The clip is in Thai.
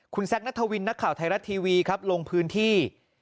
คุณแซคนัทวินนักข่าวไทยรัฐทีวีครับลงพื้นที่